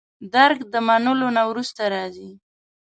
درک د منلو نه وروسته راځي.